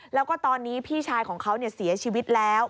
แล้วก็ตอนนี้พี่ชายของเขาเสียชีวิตแล้ว